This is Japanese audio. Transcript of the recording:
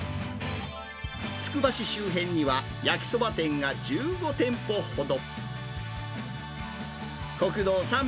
つくば市周辺には、焼きそば店が１５店舗ほど。